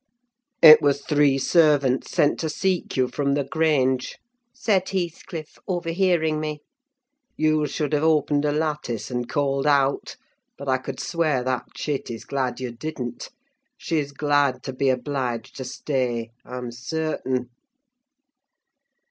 "It was three servants sent to seek you from the Grange," said Heathcliff, overhearing me. "You should have opened a lattice and called out: but I could swear that chit is glad you didn't. She's glad to be obliged to stay, I'm certain."